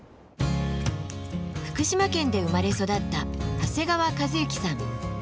福島県で生まれ育った長谷川和之さん。